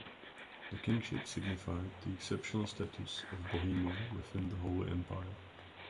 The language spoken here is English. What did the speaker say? The kingship signified the exceptional status of Bohemia within the Holy Roman Empire.